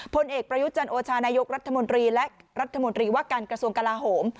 พลเอกประยุจันโอชานายกรัฐมนตรีและรัฐมนตรีว่าการกระทรวงกลาโหม